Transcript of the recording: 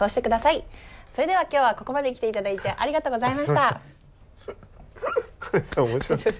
それでは今日はここまで来ていただいてありがとうございました。